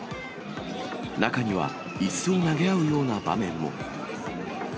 中にはいすを投げ合うような場面も。